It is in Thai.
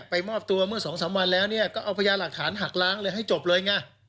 มอบตัวเมื่อ๒๓วันแล้วเนี่ยก็เอาพญาหลักฐานหักล้างเลยให้จบเลยไง